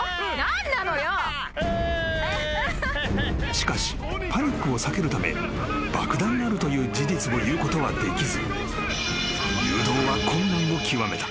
［しかしパニックを避けるため爆弾があるという事実を言うことはできず誘導は困難を極めた。